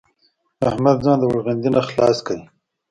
احمد ځان د غړوندي نه خلاص کړ.